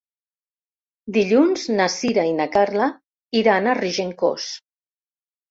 Dilluns na Sira i na Carla iran a Regencós.